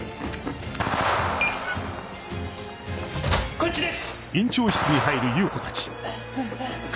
こっちです！